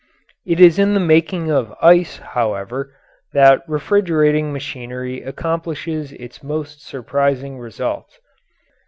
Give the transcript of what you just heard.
It is in the making of ice, however, that refrigerating machinery accomplishes its most surprising results.